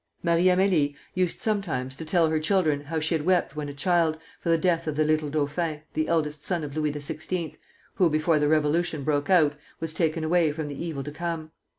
Marie Amélie used sometimes to tell her children how she had wept when a child for the death of the little dauphin, the eldest son of Louis XVI., who, before the Revolution broke out, was taken away from the evil to come.